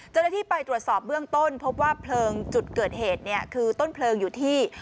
เจ้าหน้าที่ไปตรวจสอบเบื้องต้นพบว่าเพลิงจุดเกิดเหตุเนี่ยคือต้นเพลิงอยู่ที่